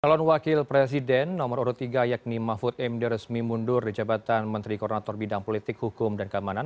calon wakil presiden nomor urut tiga yakni mahfud md resmi mundur di jabatan menteri koordinator bidang politik hukum dan keamanan